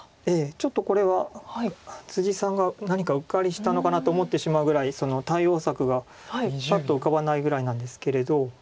ちょっとこれはさんが何かうっかりしたのかなと思ってしまうぐらい対応策がパッと浮かばないぐらいなんですけれど。